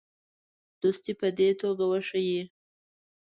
دوستي په دې توګه وښیي.